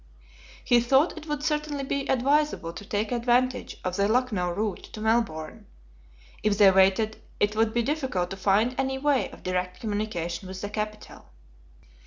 He thought it would certainly be advisable to take advantage of the Lucknow route to Melbourne. If they waited it would be difficult to find any way of direct communication with the capital.